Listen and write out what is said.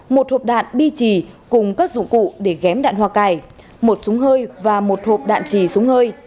một hộp đạn bi trì cùng các dụng cụ để ghém đạn hoa cải một súng hơi và một hộp đạn trì súng hơi